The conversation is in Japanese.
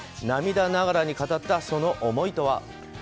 涙ながらに語ったその思いとは。